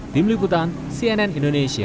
di meliputan cnn indonesia